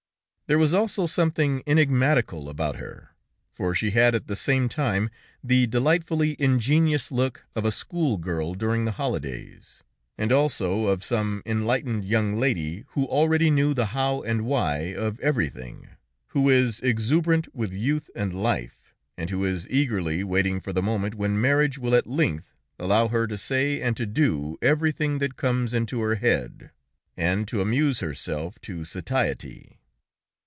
There was also something enigmatical about her, for she had at the same time the delightfully ingenuous look of a school girl during the holidays, and also of some enlightened young lady, who already knew the how and the why of everything, who is exuberant with youth and life, and who is eagerly waiting for the moment when marriage will at length allow her to say and to do everything that comes into her head, and to amuse herself to satiety.